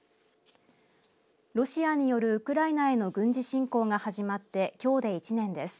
ロシアによるウクライナへの軍事侵攻が始まってきょうで１年です。